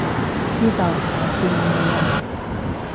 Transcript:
知道，下次唔會喇